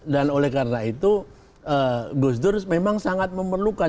dan oleh karena itu gus dur memang sangat memerlukan